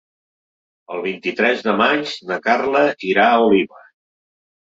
El vint-i-tres de maig na Carla irà a Oliva.